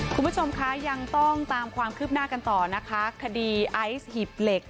คุณผู้ชมคะยังต้องตามความคืบหน้ากันต่อนะคะคดีไอซ์หีบเหล็ก